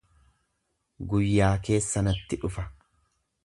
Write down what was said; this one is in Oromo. guyyaa keessa natti dhufa.